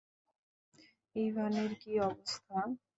ইভানের কী অবস্থা?